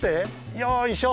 よいしょ。